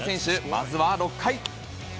まずは６回。